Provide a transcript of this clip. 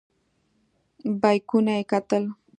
بیکونه یې کتل.